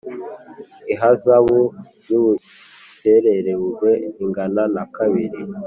ihazabu y’ ubukerererwe ingana na kabiri.